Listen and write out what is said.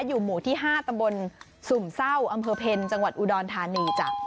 อยู่หมู่ที่๕ตำบลสุ่มเศร้าอำเภอเพ็ญจังหวัดอุดรธานีจ้ะ